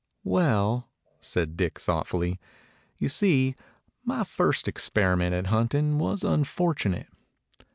"Well," said Dick thoughtfully, "you see, my first experiment at hunting was unfortu nate.